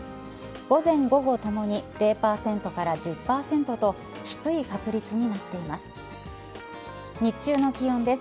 午前午後ともに０％から１０％と低い確率になっています。